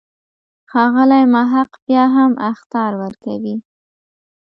ښاغلی محق بیا هم اخطار ورکوي.